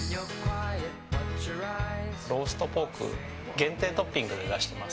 ローストポーク限定トッピングで出してます。